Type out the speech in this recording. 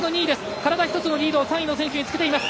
体一つのリードを３位の選手につけています。